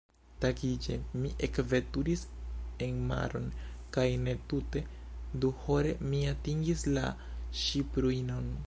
Tagiĝe, mi ekveturis enmaron kaj netute duhore, mi atingis la ŝipruinon.